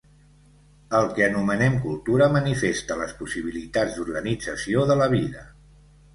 El que anomenem cultura manifesta les possibilitats d'organització de la vida.